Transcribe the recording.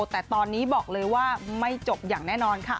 แต่ตอนนี้บอกเลยว่าไม่จบอย่างแน่นอนค่ะ